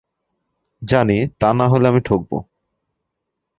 জানি, তা হলে আমি ঠকব।